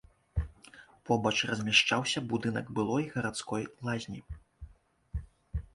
Побач размяшчаўся будынак былой гарадской лазні.